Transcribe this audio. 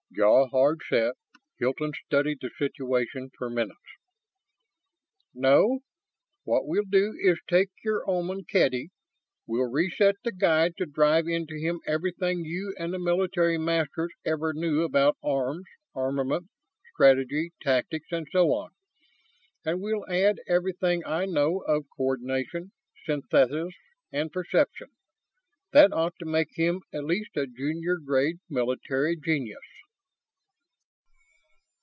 Jaw hard set, Hilton studied the situation for minutes. "No. What we'll do is take your Oman, Kedy. We'll re set the Guide to drive into him everything you and the military Masters ever knew about arms, armament, strategy, tactics and so on. And we'll add everything I know of coordination, synthesis, and perception. That ought to make him at least a junior grade military genius."